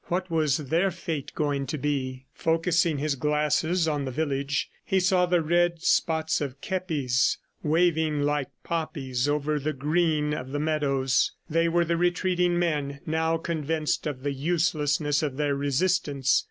What was their fate going to be? ... Focussing his glasses on the village, he saw the red spots of kepis waving like poppies over the green of the meadows. They were the retreating men, now convinced of the uselessness of their resistance.